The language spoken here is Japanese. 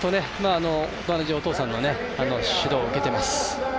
お父さんの指導を受けています。